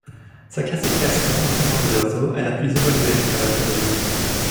Sa classification, notamment des oiseaux, est la plus évoluée jusqu'à l'œuvre de Linné.